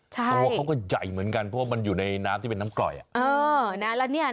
ตัวเขาก็ใหญ่เหมือนกันเพราะว่ามันอยู่ในน้ำที่เป็นน้ำกร่อย